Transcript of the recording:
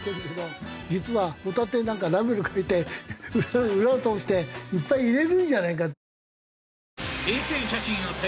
実はホタテなんかラベル替えて裏を通していっぱい入れるんじゃないか。